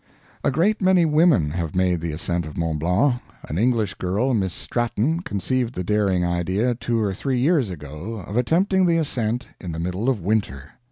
A great many women have made the ascent of Mont Blanc. An English girl, Miss Stratton, conceived the daring idea, two or three years ago, of attempting the ascent in the middle of winter.